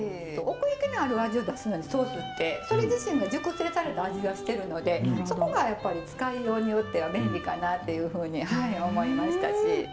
奥行きのある味を出すのにソースってそれ自身が熟成された味がしてるのでそこがやっぱり使いようによっては便利かなっていうふうに思いましたし。